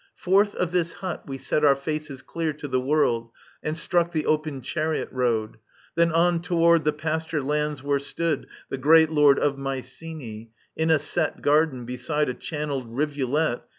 Forth of this hut we s6t our faces clear To the world, and struck the open chariot road ; Then on toward the pasture lands, where stood The great Lord of Mycenae. In a set Garden beside a channelled rivulet.